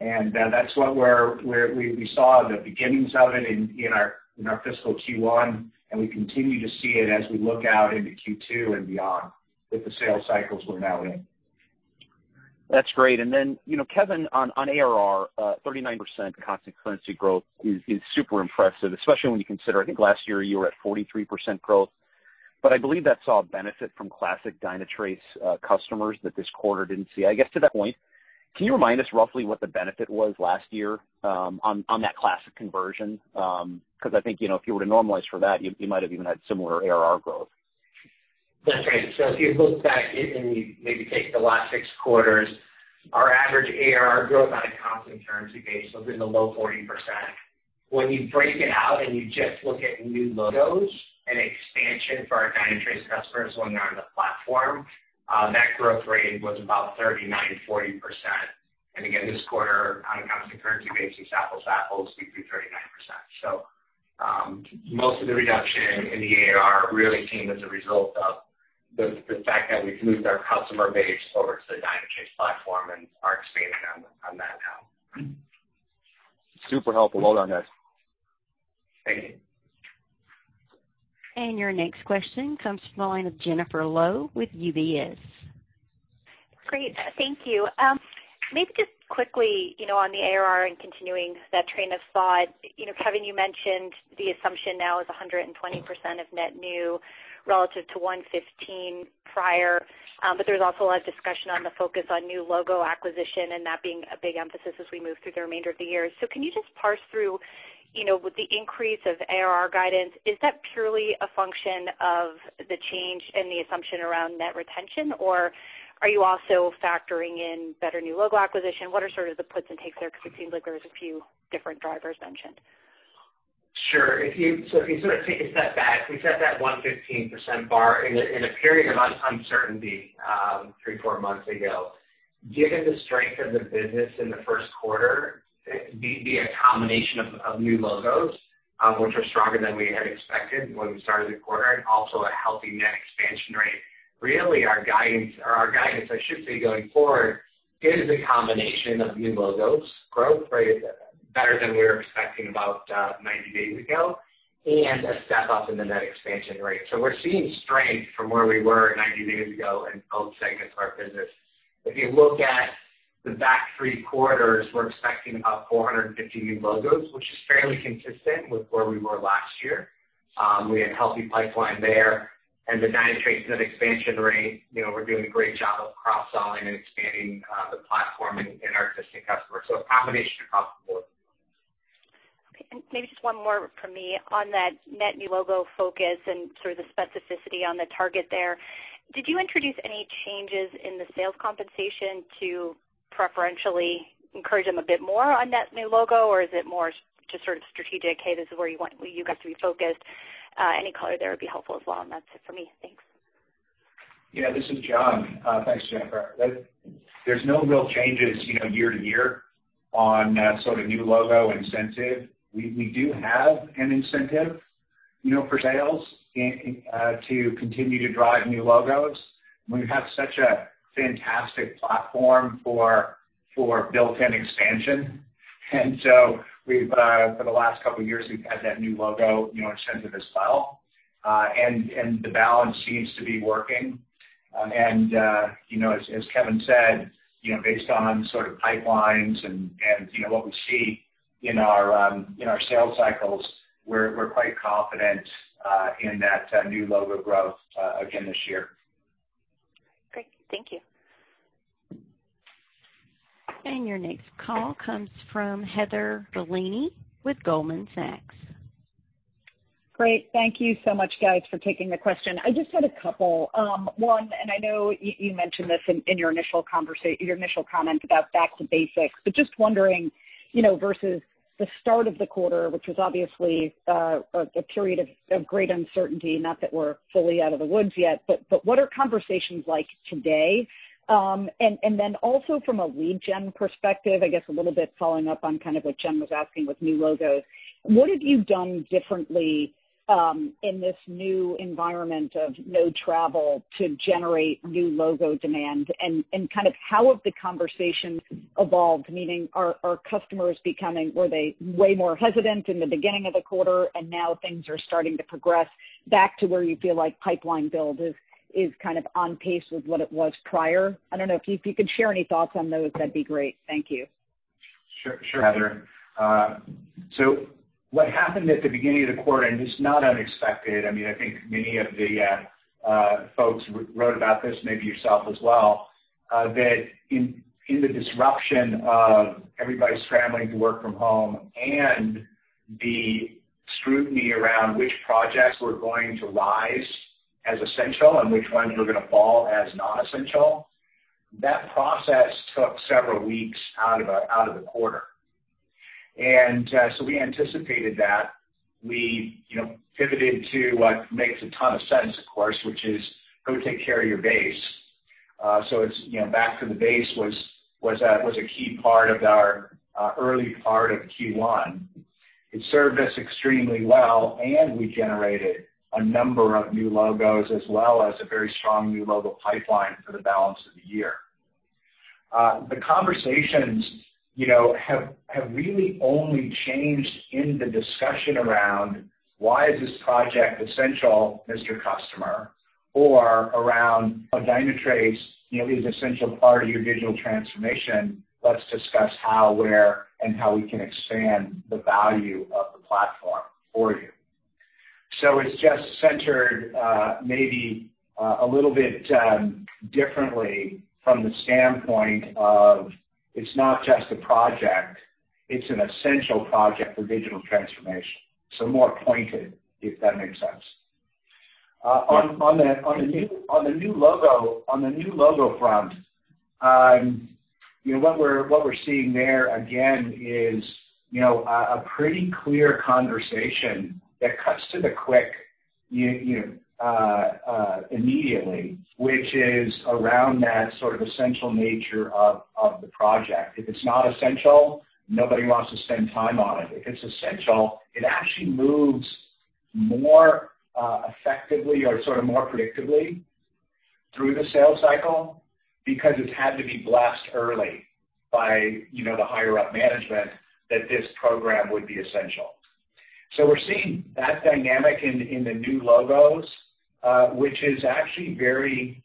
That's what we saw the beginnings of it in our fiscal Q1, and we continue to see it as we look out into Q2 and beyond with the sales cycles we're now in. Kevin, on ARR, 39% constant currency growth is super impressive, especially when you consider, I think last year you were at 43% growth. I believe that saw a benefit from classic Dynatrace customers that this quarter didn't see. I guess to that point, can you remind us roughly what the benefit was last year on that classic conversion? Because I think, if you were to normalize for that, you might have even had similar ARR growth. That's right. If you look back and you maybe take the last six quarters, our average ARR growth on a constant currency base was in the low 40%. When you break it out and you just look at new logos and expansion for our Dynatrace customers when they're on the platform, that growth rate was about 39%-40%. Again, this quarter, on a constant currency basis, apples-to-apples, we did 39%. Most of the reduction in the ARR really came as a result of the fact that we've moved our customer base over to the Dynatrace platform and are expanding on that now. Super helpful. Well done, guys. Thank you. Your next question comes from the line of Jennifer Lowe with UBS. Great. Thank you. Maybe just quickly, on the ARR and continuing that train of thought, Kevin, you mentioned the assumption now is 120% of net new relative to 115% prior. There's also a lot of discussion on the focus on new logo acquisition and that being a big emphasis as we move through the remainder of the year. Can you just parse through with the increase of ARR guidance, is that purely a function of the change in the assumption around net retention, or are you also factoring in better new logo acquisition? What are sort of the puts and takes there? It seems like there was a few different drivers mentioned. Sure. If you sort of take a step back, we set that 115% bar in a period of uncertainty, three, four months ago. Given the strength of the business in the first quarter, via combination of new logos, which are stronger than we had expected when we started the quarter, and also a healthy net expansion rate. Really, our guidance, I should say, going forward, is a combination of new logos growth rate better than we were expecting about 90 days ago, and a step-up in the net expansion rate. We're seeing strength from where we were 90 days ago in both segments of our business. If you look at the back three quarters, we're expecting about 450 new logos, which is fairly consistent with where we were last year. We had healthy pipeline there. The Dynatrace net expansion rate, we're doing a great job of cross-selling and expanding the platform in our existing customers. A combination across the board. Okay. Maybe just one more from me on that net new logo focus and sort of the specificity on the target there. Did you introduce any changes in the sales compensation to preferentially encourage them a bit more on net new logo, or is it more just sort of strategic, "Hey, this is where you got to be focused"? Any color there would be helpful as well. That's it for me. Thanks. Yeah, this is John. Thanks, Jennifer. There's no real changes year-to-year on sort of new logo incentive. We do have an incentive for sales to continue to drive new logos. We have such a fantastic platform for built-in expansion. So for the last couple of years, we've had that new logo incentive as well. The balance seems to be working. As Kevin said, based on pipelines and what we see in our sales cycles, we're quite confident in that new logo growth again this year. Great. Thank you. Your next call comes from Heather Bellini with Goldman Sachs. Great. Thank you so much, guys, for taking the question. I just had a couple. One, I know you mentioned this in your initial comment about back to basics, just wondering, versus the start of the quarter, which was obviously a period of great uncertainty, not that we're fully out of the woods yet, what are conversations like today? Also from a lead-gen perspective, I guess a little bit following up on kind of what Jen was asking with new logos, what have you done differently in this new environment of no travel to generate new logo demand? How have the conversations evolved? Meaning, were customers way more hesitant in the beginning of the quarter, now things are starting to progress back to where you feel like pipeline build is kind of on pace with what it was prior? I don't know. If you could share any thoughts on those, that'd be great. Thank you. Sure, Heather. What happened at the beginning of the quarter, and it's not unexpected, I think many of the folks who wrote about this, maybe yourself as well, that in the disruption of everybody scrambling to work from home and the scrutiny around which projects were going to rise as essential and which ones were going to fall as non-essential, that process took several weeks out of the quarter. We anticipated that. We pivoted to what makes a ton of sense, of course, which is go take care of your base. It's back to the base was a key part of our early part of Q1. It served us extremely well, and we generated a number of new logos as well as a very strong new logo pipeline for the balance of the year. The conversations have really only changed in the discussion around why is this project essential, Mr. Customer, or around how Dynatrace is an essential part of your digital transformation, let's discuss how, where, and how we can expand the value of the platform for you. It's just centered maybe a little bit differently from the standpoint of it's not just a project, it's an essential project for digital transformation. More pointed, if that makes sense. On the new logo front, what we're seeing there again is a pretty clear conversation that cuts to the quick immediately, which is around that sort of essential nature of the project. If it's not essential, nobody wants to spend time on it If it's essential, it actually moves more effectively or sort of more predictably through the sales cycle because it's had to be blessed early by the higher up management that this program would be essential. We're seeing that dynamic in the new logos, which is actually very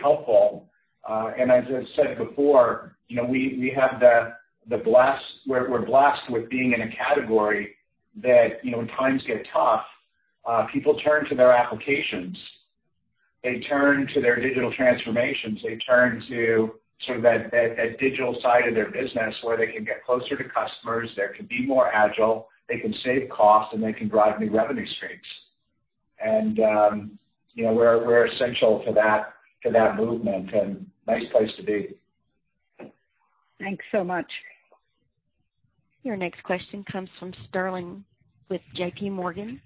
helpful. As I said before, we're blessed with being in a category that when times get tough, people turn to their applications, they turn to their digital transformations, they turn to sort of that digital side of their business where they can get closer to customers, they can be more agile, they can save costs, and they can drive new revenue streams. We're essential to that movement. Nice place to be. Thanks so much. Your next question comes from Sterling with JPMorgan.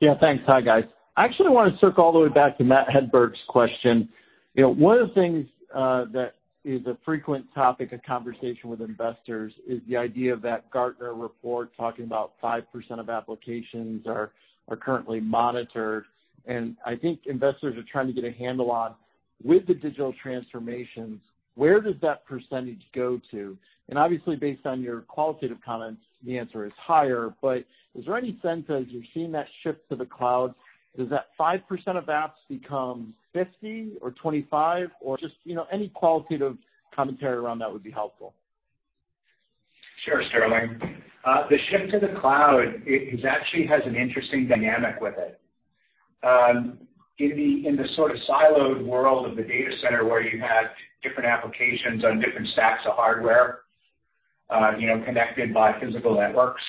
Yeah, thanks. Hi, guys. I actually want to circle all the way back to Matt Hedberg's question. One of the things that is a frequent topic of conversation with investors is the idea of that Gartner report talking about 5% of applications are currently monitored. I think investors are trying to get a handle on with the digital transformations, where does that percentage go to? Obviously, based on your qualitative comments, the answer is higher. Is there any sense, as you're seeing that shift to the cloud, does that 5% of apps become 50% or 25%? Just any qualitative commentary around that would be helpful. Sure, Sterling. The shift to the cloud, it actually has an interesting dynamic with it. In the sort of siloed world of the data center where you had different applications on different stacks of hardware, connected by physical networks,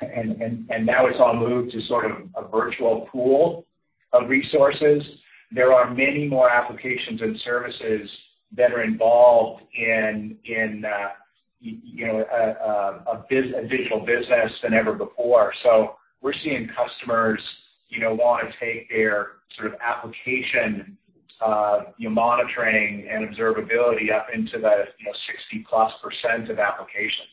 and now it's all moved to sort of a virtual pool of resources. There are many more applications and services that are involved in a digital business than ever before. We're seeing customers want to take their sort of application monitoring and observability up into the 60%+ of applications.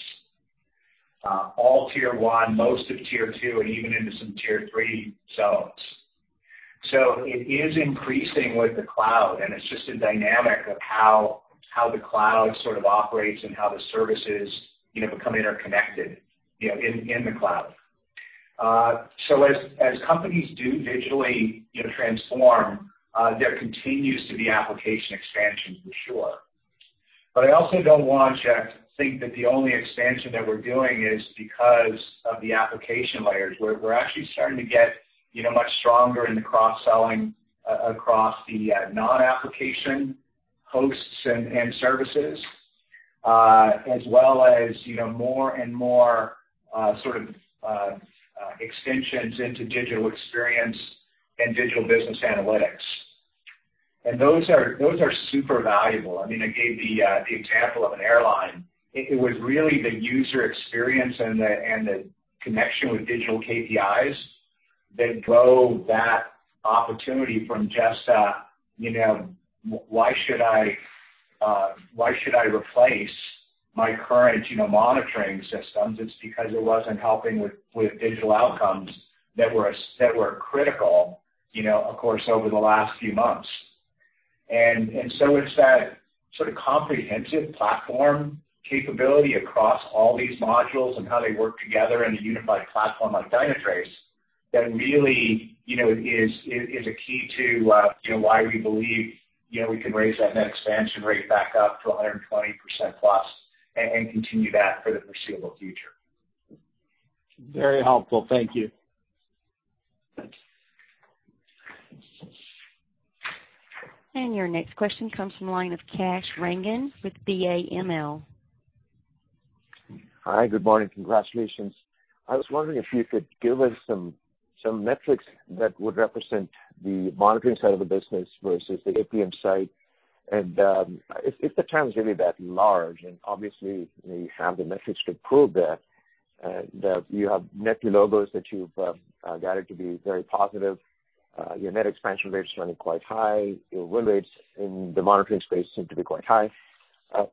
All Tier 1, most of Tier 2, and even into some Tier 3 zones. It is increasing with the cloud, and it's just a dynamic of how the cloud sort of operates and how the services become interconnected in the cloud. As companies do digitally transform, there continues to be application expansion for sure. I also don't want to think that the only expansion that we're doing is because of the application layers. We're actually starting to get much stronger in the cross-selling across the non-application hosts and services, as well as more and more sort of extensions into digital experience and digital business analytics. Those are super valuable. I gave the example of an airline. It was really the user experience and the connection with digital KPIs that drove that opportunity from just a, why should I replace my current monitoring systems? It's because it wasn't helping with digital outcomes that were critical, of course, over the last few months. It's that sort of comprehensive platform capability across all these modules and how they work together in a unified platform like Dynatrace that really is a key to why we believe we can raise that net expansion rate back up to 120%+ and continue that for the foreseeable future. Very helpful. Thank you. Thanks. Your next question comes from the line of Kash Rangan with BAML. Hi, good morning. Congratulations. I was wondering if you could give us some metrics that would represent the monitoring side of the business versus the APM side. If the TAM is really that large, and obviously you have the metrics to prove that you have net new logos that you've guided to be very positive. Your net expansion rates running quite high, your win rates in the monitoring space seem to be quite high.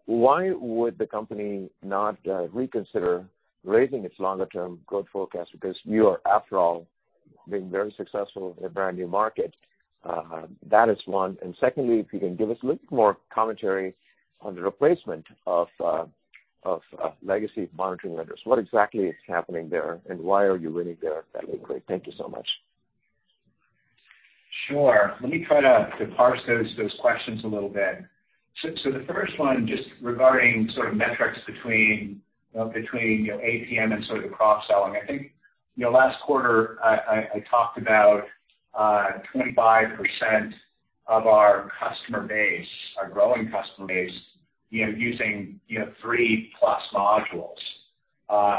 Why would the company not reconsider raising its longer-term growth forecast? Because you are, after all, being very successful in a brand-new market. That is one. Secondly, if you can give us a little more commentary on the replacement of legacy monitoring vendors, what exactly is happening there and why are you winning there that way? Great. Thank you so much. Sure. Let me try to parse those questions a little bit. The first one, just regarding sort of metrics between APM and sort of the cross-selling. I think last quarter I talked about 25% of our customer base, our growing customer base, using three-plus modules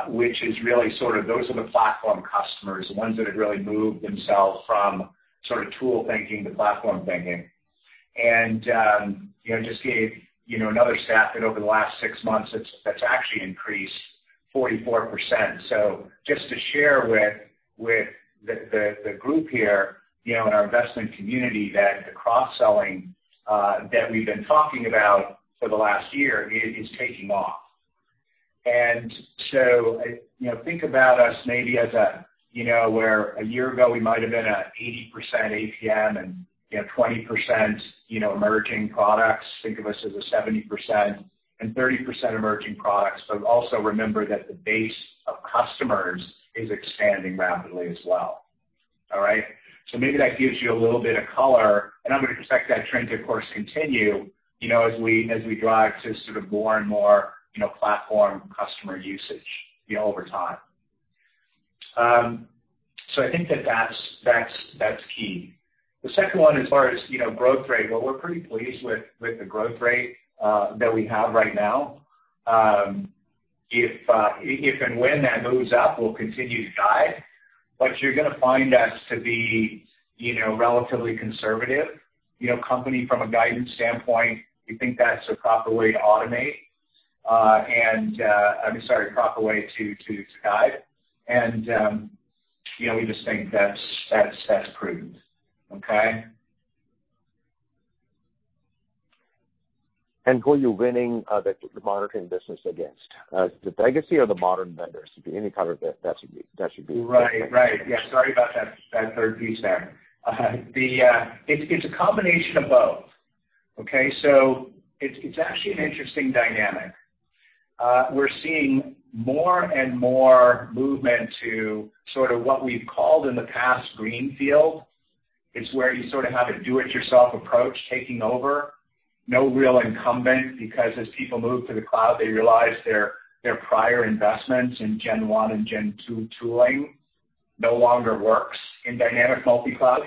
which is really sort of those are the platform customers, the ones that have really moved themselves from sort of tool thinking to platform thinking. Just gave another stat that over the last six months, that's actually increased 44%. Just to share with the group here and our investment community that the cross-selling that we've been talking about for the last year is taking off. Think about us maybe where a year ago we might've been at 80% APM and 20% emerging products. Think of us as a 70% and 30% emerging products. Also remember that the base of customers is expanding rapidly as well. All right? Maybe that gives you a little bit of color, and I'm going to expect that trend to, of course, continue as we drive to sort of more and more platform customer usage over time. I think that that's key. The second one, as far as growth rate, well, we're pretty pleased with the growth rate that we have right now. If and when that moves up, we'll continue to guide. You're going to find us to be relatively conservative company from a guidance standpoint. We think that's the proper way to automate, I'm sorry, proper way to guide. We just think that's prudent. Okay? Who are you winning the monitoring business against? The legacy or the modern vendors? Right. Yeah, sorry about that third piece there. It's a combination of both. Okay. It's actually an interesting dynamic. We're seeing more and more movement to sort of what we've called in the past greenfield. It's where you sort of have a do-it-yourself approach taking over. No real incumbent, because as people move to the cloud, they realize their prior investments in Gen 1 and Gen 2 tooling no longer works in dynamic multi-clouds.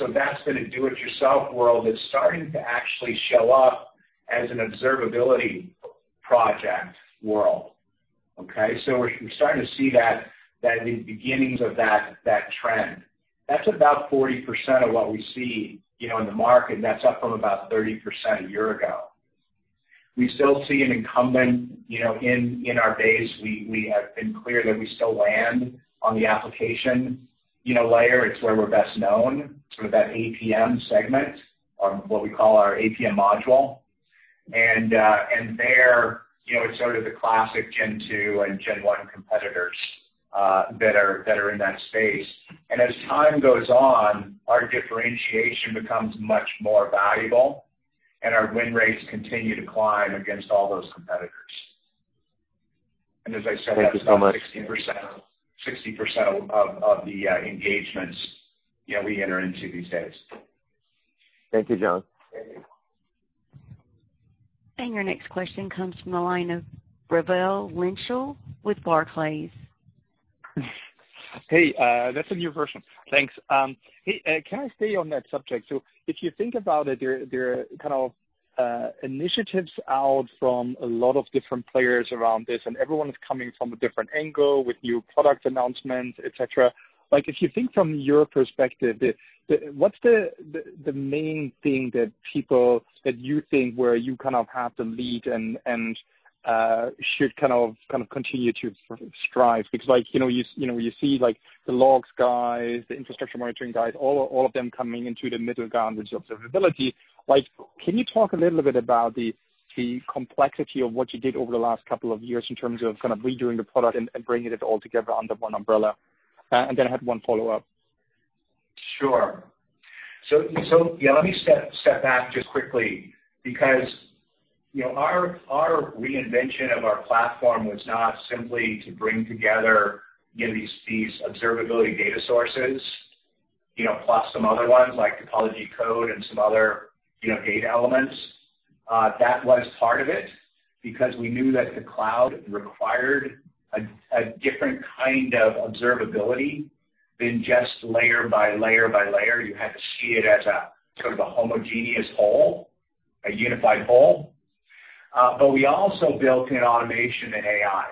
That sort of do-it-yourself world is starting to actually show up as an observability project world. Okay. We're starting to see the beginnings of that trend. That's about 40% of what we see in the market, and that's up from about 30% a year ago. We still see an incumbent in our base. We have been clear that we still land on the application layer. It's where we're best known, sort of that APM segment, or what we call our APM module. There, it's sort of the classic Gen 2 and Gen 1 competitors that are in that space. As time goes on, our differentiation becomes much more valuable, and our win rates continue to climb against all those competitors. Thank you so much. That's about 60% of the engagements we enter into these days. Thank you, John. Thank you. Your next question comes from the line of Raimo Lenschow with Barclays. Hey, that's a new version. Thanks. Hey, can I stay on that subject? If you think about it, there are kind of initiatives out from a lot of different players around this, and everyone is coming from a different angle with new product announcements, et cetera. If you think from your perspective, what's the main thing that you think where you kind of have the lead and should kind of continue to strive? Because you see the logs guys, the infrastructure monitoring guys, all of them coming into the middle ground with observability. Can you talk a little bit about the complexity of what you did over the last couple of years in terms of redoing the product and bringing it all together under one umbrella? Then I had one follow-up. Sure. Let me step back just quickly because our reinvention of our platform was not simply to bring together these observability data sources, plus some other ones like topology code and some other data elements. That was part of it because we knew that the cloud required a different kind of observability than just layer by layer by layer. You had to see it as a sort of a homogeneous whole, a unified whole. We also built in automation and AI.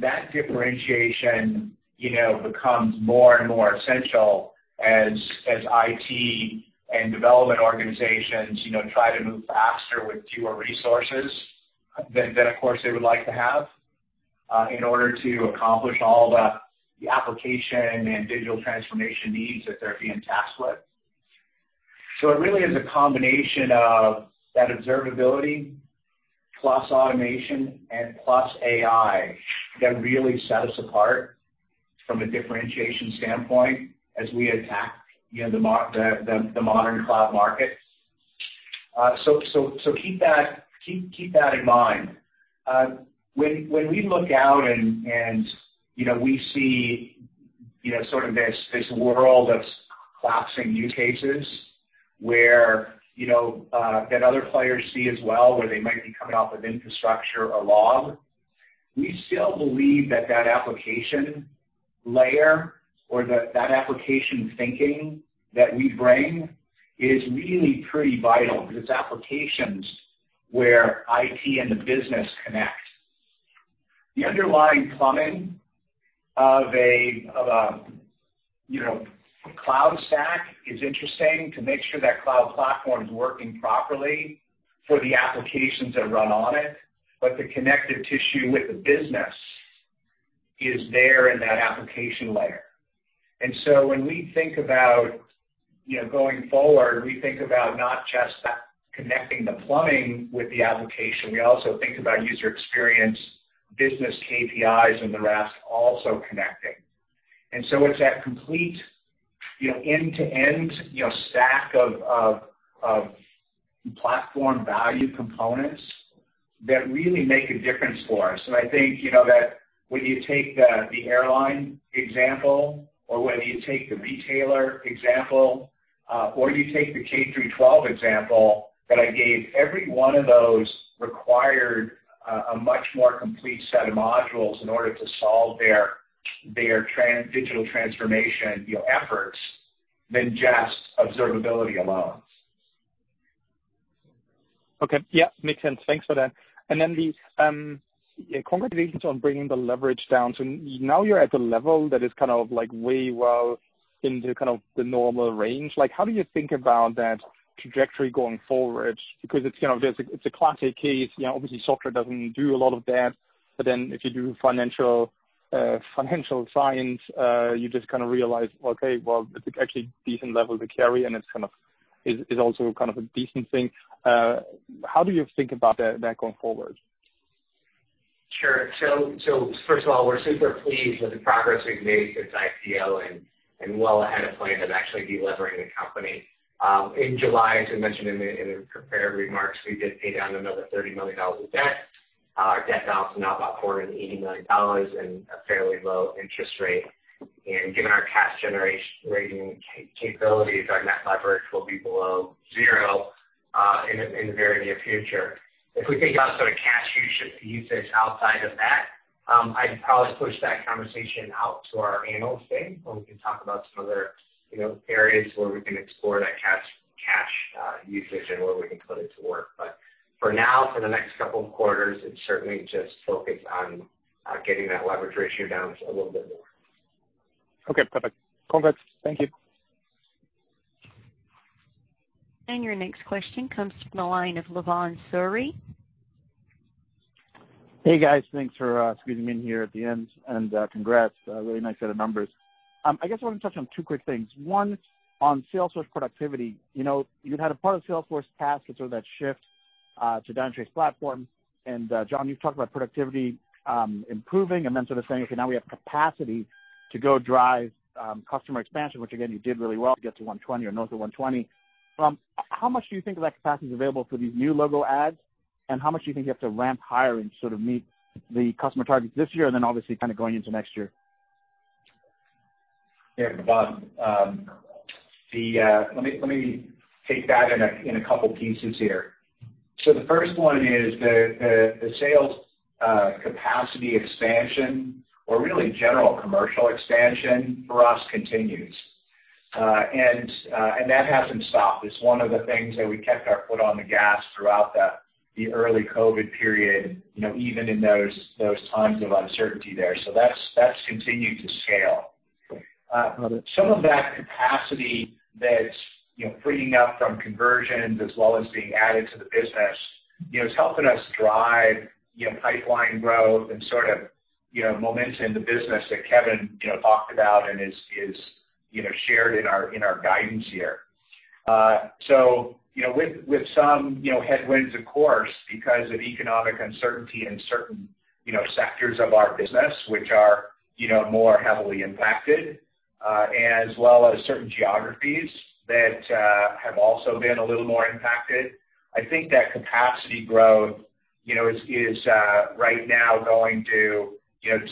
That differentiation becomes more and more essential as IT and development organizations try to move faster with fewer resources than, of course, they would like to have in order to accomplish all the application and digital transformation needs that they're being tasked with. It really is a combination of that observability plus automation and plus AI that really set us apart from a differentiation standpoint as we attack the modern cloud market. Keep that in mind. When we look out and we see sort of this world of collapsing use cases that other players see as well, where they might be coming off of infrastructure or log, we still believe that that application layer or that application thinking that we bring is really pretty vital, because it is applications where IT and the business connect. The underlying plumbing of a cloud stack is interesting to make sure that cloud platform is working properly for the applications that run on it, but the connective tissue with the business is there in that application layer. When we think about going forward, we think about not just that connecting the plumbing with the application, we also think about user experience, business KPIs and the rest also connecting. It's that complete end-to-end stack of platform value components that really make a difference for us. I think that when you take the airline example or whether you take the retailer example, or you take the K-12 example that I gave, every one of those required a much more complete set of modules in order to solve their digital transformation efforts than just observability alone. Okay. Yeah, makes sense. Thanks for that. Congratulations on bringing the leverage down. Now you're at the level that is way well into kind of the normal range. How do you think about that trajectory going forward? It's a classic case. Obviously, software doesn't do a lot of that, if you do financial science, you just realize, okay, well, it's actually a decent level to carry, and it's also kind of a decent thing. How do you think about that going forward? Sure. First of all, we're super pleased with the progress we've made since IPO and well ahead of plan of actually de-levering the company. In July, as we mentioned in the prepared remarks, we did pay down another $30 million of debt. Our debt now is about $480 million and a fairly low interest rate. Given our cash generating capabilities, our net leverage will be below zero in the very near future. If we think also of cash usage outside of that, I'd probably push that conversation out to our Analyst Day when we can talk about some other areas where we can explore that cash usage and where we can put it to work. For now, for the next couple of quarters, it's certainly just focused on getting that leverage ratio down just a little bit more. Okay, perfect. Congrats. Thank you. Your next question comes from the line of Bhavan Suri. Hey, guys. Thanks for squeezing me in here at the end, and congrats. A really nice set of numbers. I guess I want to touch on two quick things. One, on sales force productivity. You've had a part of sales force tasks with sort of that shift to Dynatrace platform, and John, you've talked about productivity improving and then sort of saying, okay, now we have capacity to go drive customer expansion, which again, you did really well to get to 120% or north of 120%. How much do you think of that capacity is available for these new logo adds? How much do you think you have to ramp higher and sort of meet the customer targets this year and then obviously going into next year? Yeah, Bhav, let me take that in a couple pieces here. The first one is the sales capacity expansion or really general commercial expansion for us continues. That hasn't stopped. It's one of the things that we kept our foot on the gas throughout the early COVID-19 period, even in those times of uncertainty there. That's continued to scale. Some of that capacity that's freeing up from conversions as well as being added to the business, is helping us drive pipeline growth and sort of momentum in the business that Kevin talked about and is shared in our guidance here. With some headwinds, of course, because of economic uncertainty in certain sectors of our business, which are more heavily impacted, as well as certain geographies that have also been a little more impacted. I think that capacity growth is right now going to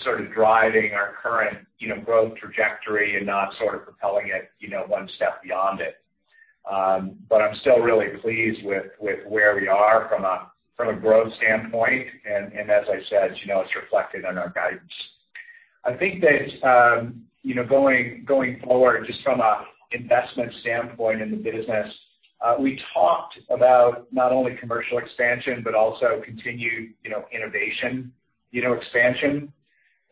sort of driving our current growth trajectory and not propelling it one step beyond it. I'm still really pleased with where we are from a growth standpoint, and as I said, it's reflected in our guidance. I think that going forward, just from an investment standpoint in the business, we talked about not only commercial expansion but also continued innovation expansion.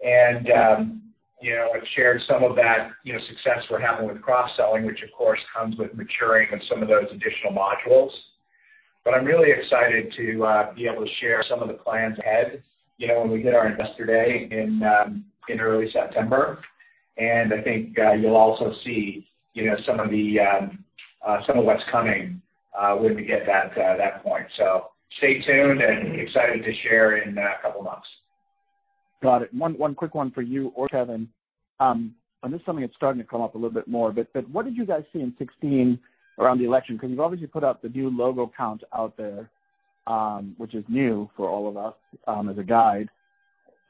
I've shared some of that success we're having with cross-selling, which of course comes with maturing of some of those additional modules. I'm really excited to be able to share some of the plans ahead when we hit our Investor Day in early September. I think you'll also see some of what's coming when we get to that point. Stay tuned and excited to share in a couple of months. Got it. One quick one for you or Kevin. This is something that's starting to come up a little bit more, what did you guys see in 2016 around the election? You've obviously put out the new logo count out there, which is new for all of us as a guide.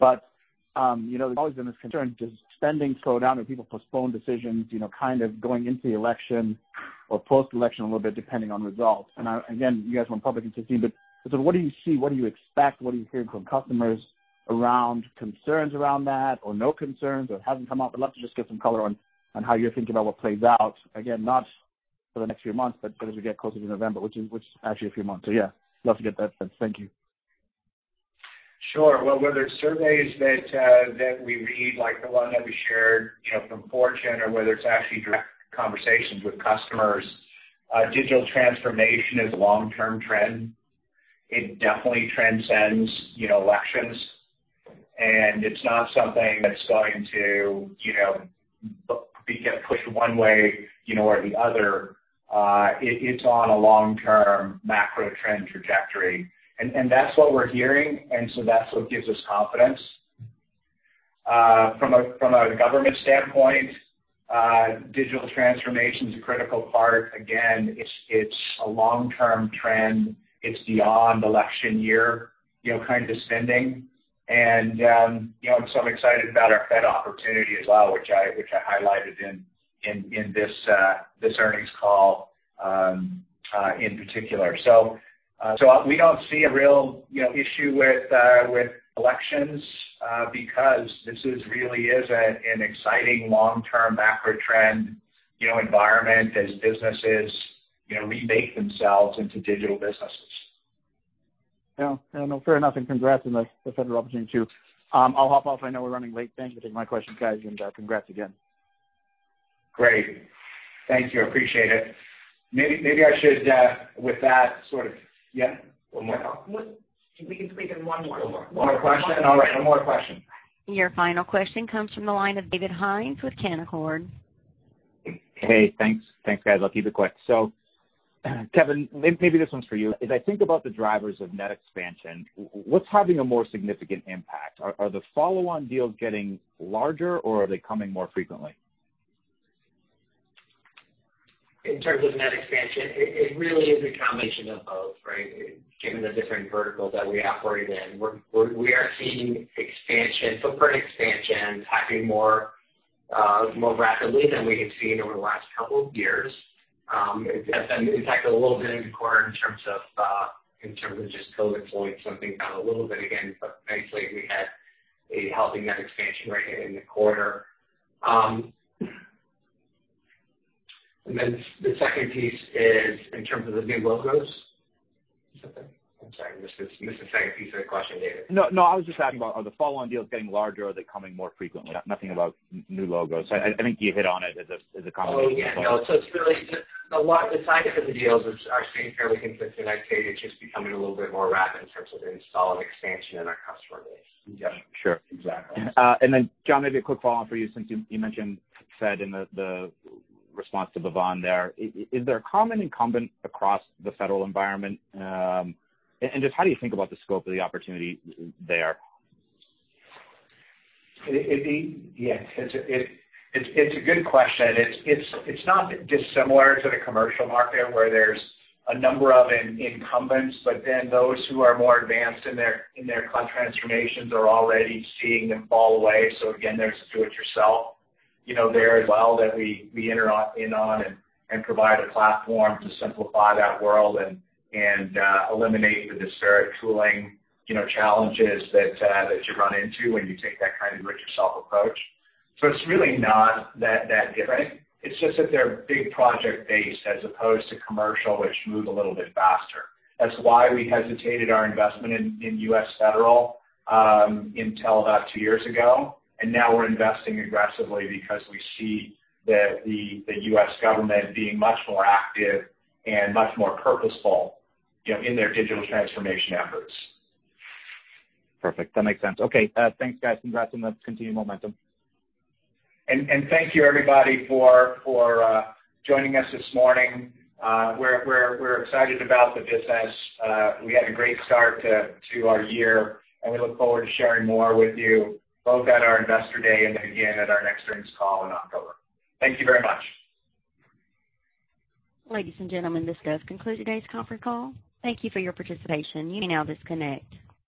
There's always been this concern, does spending slow down? Do people postpone decisions going into the election or post-election a little bit, depending on results? Again, you guys weren't public in 2016, sort of what do you see? What do you expect? What are you hearing from customers around concerns around that or no concerns or it hasn't come up? I'd love to just get some color on how you're thinking about what plays out, again, not for the next few months, but as we get closer to November, which is actually a few months. Yeah, love to get that. Thank you. Sure. Well, whether it's surveys that we read, like the one that we shared from Fortune, or whether it's actually direct conversations with customers, digital transformation is a long-term trend. It definitely transcends elections, and it's not something that's going to get pushed one way or the other. It's on a long-term macro trend trajectory. That's what we're hearing, and so that's what gives us confidence. From a government standpoint, digital transformation is a critical part. Again, it's a long-term trend. It's beyond election year kind of spending. I'm excited about our Fed opportunity as well, which I highlighted in this earnings call in particular. We don't see a real issue with elections because this really is an exciting long-term macro trend environment as businesses remake themselves into digital businesses. Yeah. No, fair enough. Congrats on the Federal opportunity too. I'll hop off. I know we're running late. Thanks for taking my questions, guys, and congrats again. Great. Thank you. I appreciate it. Maybe I should. Yeah, one more. We can take one more. One more question? All right. One more question. Your final question comes from the line of David Hynes with Canaccord. Hey, thanks. Thanks, guys. I'll keep it quick. Kevin, maybe this one's for you. As I think about the drivers of net expansion, what's having a more significant impact? Are the follow-on deals getting larger, or are they coming more frequently? In terms of net expansion, it really is a combination of both, right? Given the different verticals that we operate in, we are seeing footprint expansion happening more rapidly than we had seen over the last couple of years. It's had a little bit of a quarter in terms of just COVID-19 slowing some things down a little bit again, but basically, we had a healthy net expansion rate in the quarter. The second piece is in terms of the new logos. I'm sorry, I missed the second piece of the question, David. No, I was just asking about are the follow-on deals getting larger or are they coming more frequently? Nothing about new logos. I think you hit on it as a combination. Oh, yeah. No. The size of the deals are staying fairly consistent. I'd say it's just becoming a little bit more rapid in terms of the install and expansion in our customer base. Got it. Sure. Exactly. John, maybe a quick follow-up for you since you mentioned Fed in the response to Bhav there. Is there a common incumbent across the federal environment? Just how do you think about the scope of the opportunity there? Yeah, it's a good question. It's not dissimilar to the commercial market where there's a number of incumbents, but then those who are more advanced in their cloud transformations are already seeing them fall away. Again, there's do-it-yourself there as well that we enter in on and provide a platform to simplify that world and eliminate the disparate tooling challenges that you run into when you take that kind of do it yourself approach. It's really not that different. It's just that they're big project-based as opposed to commercial, which move a little bit faster. That's why we hesitated our investment in U.S. federal until about two years ago, and now we're investing aggressively because we see the U.S. government being much more active and much more purposeful in their digital transformation efforts. Perfect. That makes sense. Okay. Thanks, guys. Congrats on the continued momentum. Thank you, everybody, for joining us this morning. We're excited about the business. We had a great start to our year, and we look forward to sharing more with you both at our Investor Day and then again at our next earnings call in October. Thank you very much. Ladies and gentlemen, this does conclude today's conference call. Thank you for your participation. You may now disconnect.